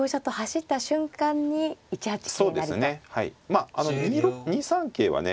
まあ２三桂はね